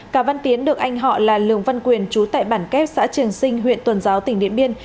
cả văn tiến được anh họ là lường văn quyền chú tại bản kép xã trường sinh huyện tuần giáo tỉnh điện biên